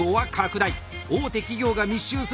大手企業が密集する